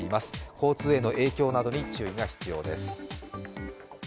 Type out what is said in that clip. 交通への影響などに注意が必要です。